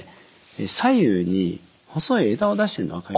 左右に細い枝を出しているのが分かりますでしょうか？